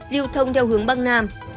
lưu thông theo hướng bắc nam